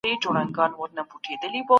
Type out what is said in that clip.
د نورو ژبو زده کړه هم مهمه ده.